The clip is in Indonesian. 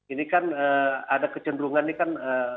ini kan ada kecenderungan ini kan